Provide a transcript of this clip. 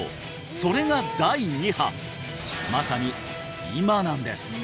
それが第二波まさに今なんです